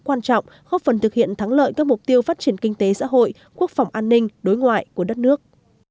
quan trọng góp phần thực hiện thắng lợi các mục tiêu phát triển kinh tế xã hội quốc phòng an ninh đối ngoại của đất nước